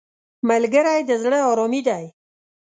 ملګری د زړه آرامي دی